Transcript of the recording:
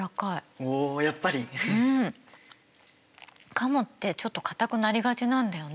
カモってちょっとかたくなりがちなんだよね。